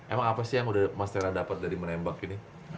emang apa sih yang udah mas tera dapat dari menembak ini